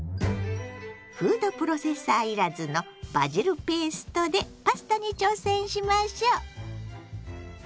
フードプロセッサー要らずのバジルペーストでパスタに挑戦しましょ！